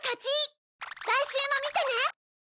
来週も見てね！